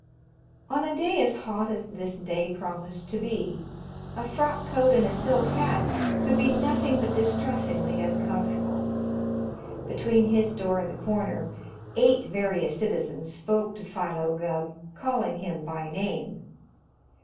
On a day as hot as this day promised to be, a frock coat and a silk hat could be nothing but distressingly uncomfortable. Between his door and the corner, eight various citizens spoke to Philo Gubb, calling him by name.